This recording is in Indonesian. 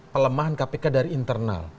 pelemahan kpk dari internal